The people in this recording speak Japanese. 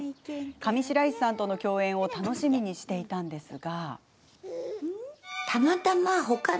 上白石さんとの共演を楽しみにしていたのですが。